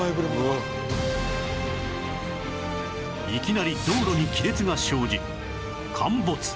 いきなり道路に亀裂が生じ陥没